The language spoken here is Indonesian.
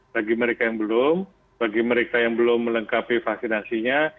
bagi mereka yang belum bagi mereka yang belum melengkapi vaksinasinya